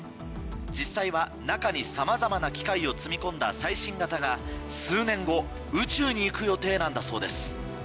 実際は中にさまざまな機械を積み込んだ最新型が数年後宇宙に行く予定なんだそうです。